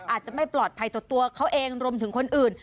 อาจจะไม่ปลอดภัยต่อตัวเขาเองรวมถึงคนอื่น